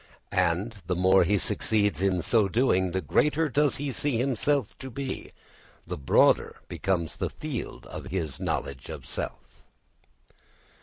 And the more he succeeds in so doing, the greater does he see himself to be, the broader becomes the field of his knowledge of self.